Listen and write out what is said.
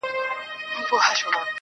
زمـا د زړگــــي سـوز کــــوي چــغـار کوي